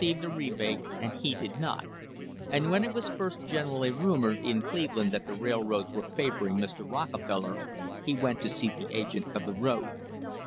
THE RISE OF THE STANDARD OIL COMPANY rebate and he did not, and when it was first generally rumoured in Cleveland that the railroads were favouring Mr. Rockefeller he went to see the agent of the road.